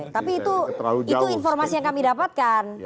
tapi itu informasi yang kami dapatkan